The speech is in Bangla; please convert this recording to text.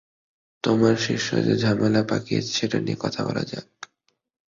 তোমার শিষ্য যে ঝামেলা পাকিয়েছে সেটা নিয়ে কথা বলা যাক।